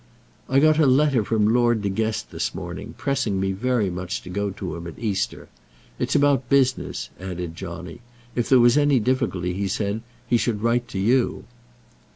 "I got a letter from Lord De Guest this morning, pressing me very much to go to him at Easter. It's about business," added Johnny. "If there was any difficulty, he said, he should write to you."